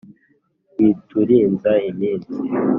witurinza iminsi.